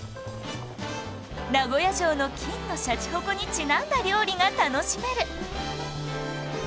名古屋城の金のシャチホコにちなんだ料理が楽しめる